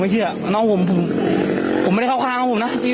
ไม่เชื่ออ่ะน้องผมผมผมไม่ได้เข้าข้างของผมน่ะพี่